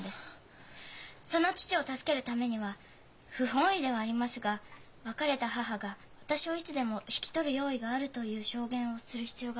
その父を助けるためには不本意ではありますが別れた母が「私をいつでも引き取る用意がある」という証言をする必要があるんだそうです。